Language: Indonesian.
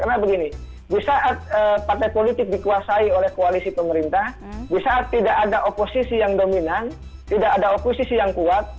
karena begini di saat partai politik dikuasai oleh koalisi pemerintah di saat tidak ada oposisi yang dominan tidak ada oposisi yang kuat